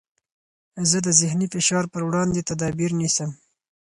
زه د ذهني فشار پر وړاندې تدابیر نیسم.